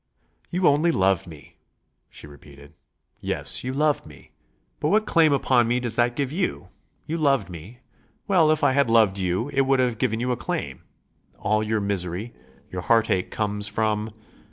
"You only loved me," she repeated. "Yes, you loved me. But what claim upon me does that give you? You loved me.... Well, if I had loved you it would have given you a claim.... All your misery; your heartache comes from